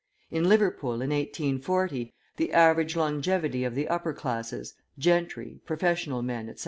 In Liverpool, in 1840, the average longevity of the upper classes, gentry, professional men, etc.